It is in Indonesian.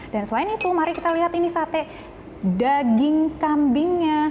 dan selain itu mari kita lihat ini sate daging kambingnya